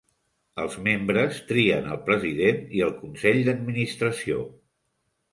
Els membres trien el president i el consell d'administració.